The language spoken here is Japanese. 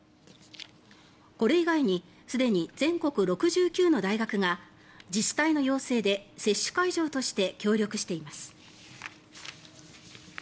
これ以外にすでに全国６９の大学が自治体の要請で接種会場として協力しています。